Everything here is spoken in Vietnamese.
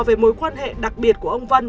về mối quan hệ đặc biệt của ông vân